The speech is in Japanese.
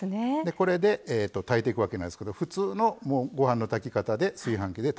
これで炊いていくわけなんですけど普通のご飯の炊き方で炊飯器で炊いてください。